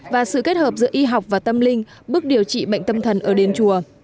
và sự kết hợp giữa y học và tâm linh bước điều trị bệnh tâm thần ở đền chùa